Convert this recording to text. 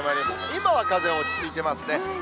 今は風落ち着いてますね。